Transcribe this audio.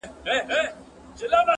بد نومونه تر قیامته پاته کیږي -